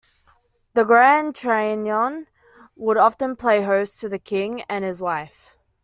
The "Grand Trianon" would often play host to the King and his wife.